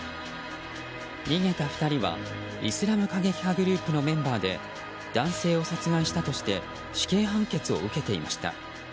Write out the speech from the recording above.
逃げた２人はイスラム過激派グループのメンバーで男性を殺害したとして死刑判決を受けていました。